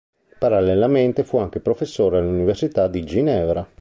Parallelamente fu anche professore all'Università di Ginevra.